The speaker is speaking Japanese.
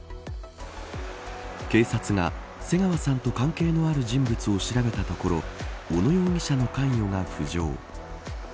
警察が瀬川さんと関係のある人物を調べたところ小野容疑者の関与が浮上。